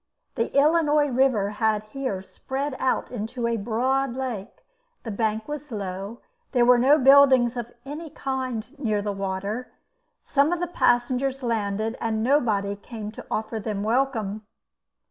The Illinois river had here spread out into a broad lake; the bank was low, there were no buildings of any kind near the water; some of the passengers landed, and nobody came to offer them welcome.